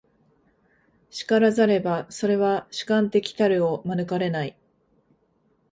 然らざれば、それは主観的たるを免れない。